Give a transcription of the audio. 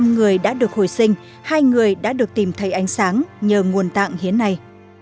năm người đã được hồi sinh hai người đã được tìm thấy ánh sáng nhờ nguồn tạng hiến này